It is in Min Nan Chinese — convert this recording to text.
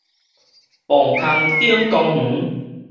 磅空頂公園